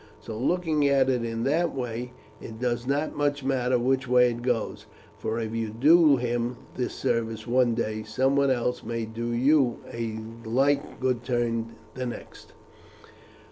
So, looking at it in that way, it does not much matter which way it goes; for if you do him this service one day, someone else may do you a like good turn the next."